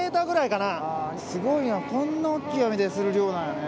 スゴいなこんな大きな網でする漁なんやね。